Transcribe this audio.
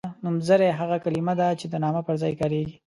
نومځری هغه کلمه ده چې د نامه پر ځای کاریږي.